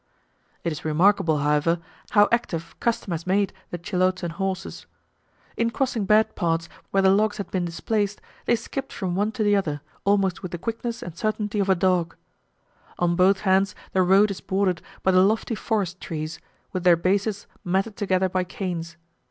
It is remarkable, however, how active custom has made the Chilotan horses. In crossing bad parts, where the logs had been displaced, they skipped from one to the other, almost with the quickness and certainty of a dog. On both hands the road is bordered by the lofty forest trees, with their bases matted together by canes.